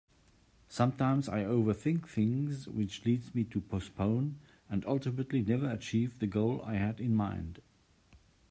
Sometimes I overthink things which leads me to postpone and ultimately never achieve the goal I had in mind.